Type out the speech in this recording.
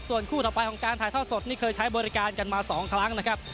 ส่วนคู่ต่อไปของการถ่ายทอดสดนี่เคยใช้บริการกันมา๒ครั้งนะครับ